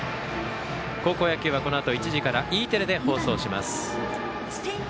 高校野球はこのあと１時からＥテレで放送します。